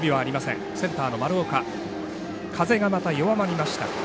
風がまた弱まりました。